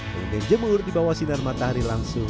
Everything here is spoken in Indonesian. kemudian jemur di bawah sinar matahari langsung